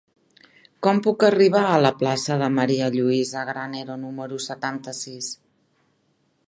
Com puc arribar a la plaça de María Luisa Granero número setanta-sis?